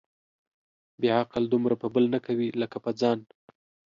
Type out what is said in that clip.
بې عقل دومره په بل نه کوي ، لکه په ځان.